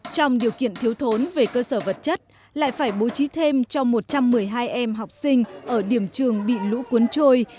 trong điều kiện thiếu thốn về cơ sở vật chất lại phải bố trí thêm cho một trăm một mươi hai em học sinh ở điểm trường bị lũ cuốn trôi